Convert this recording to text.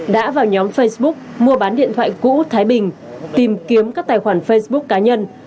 đã vào nhóm facebook mua bán điện thoại cũ thái bình tìm kiếm các tài khoản facebook cá nhân